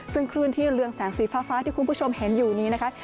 ซึ่งคลื่นที่เรืองแสงสีฟ้าที่คุณผู้ชมเห็นอยู่นี้นะคะ